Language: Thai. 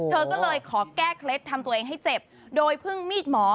เธอก็เลยขอแก้เคล็ดทำตัวเองให้เจ็บโดยพึ่งมีดหมอ